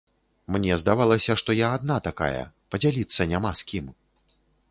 Мне здавалася, што я адна такая, падзяліцца няма з кім.